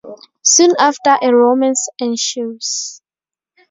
Soon after, a romance ensues.